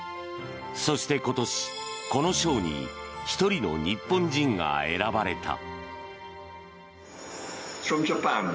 そして今年、この賞に１人の日本人が選ばれた。